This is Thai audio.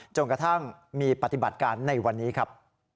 จนกระทั่งมีปฏิบัติการในวันนี้ครับ